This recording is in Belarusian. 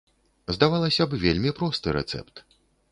Здавалася б, вельмі просты рэцэпт.